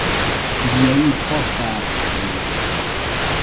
Il y a eu trois phares sur l'île.